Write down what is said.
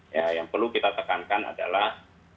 ya yang perlu kita tekankan adalah